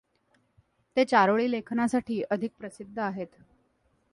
ते चारोळी लेखनासाठी अधिक प्रसिद्ध आहेत.